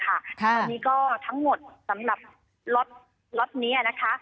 ตอนนี้ก็ทั้งหมดสำหรับล็อตนี้นะคะ